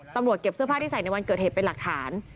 เก็บเสื้อผ้าที่ใส่ในวันเกิดเหตุเป็นหลักฐาน